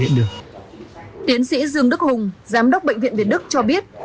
tiến sĩ dương đức hùng giám đốc bệnh viện việt đức cho biết